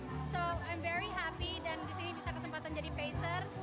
jadi saya sangat senang dan disini bisa kesempatan jadi pacer